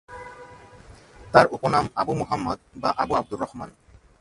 তার উপনাম আবু মুহাম্মাদ বা আবু আবদুর রহমান।